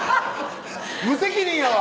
無責任やわ！